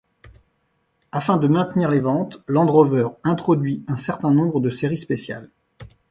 Afin de maintenir les ventes, Land Rover introduit un certain nombre de séries spéciales.